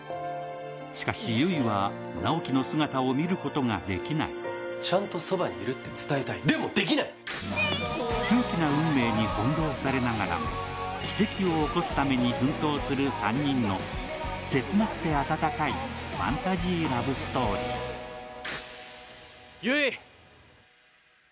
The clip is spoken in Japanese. しかし悠依は直木の姿を見ることができないちゃんとそばにいるって伝えたいでもできない数奇な運命に翻弄されながらも奇跡を起こすために奮闘する３人の切なくて温かいファンタジーラブストーリー悠依！